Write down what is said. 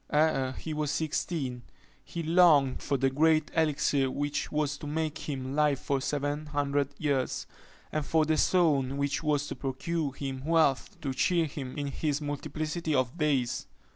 Ere he was sixteen, he longed for the great elixir which was to make him live for seven hundred years, and for the stone which was to procure him wealth to cheer him in his multiplicity of days.